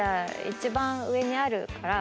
一番上にあるから？